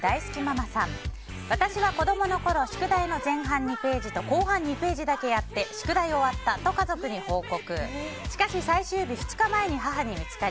私は子供のころ宿題の前半２ページと後半２ページだけやって宿題終わったと家族に報告。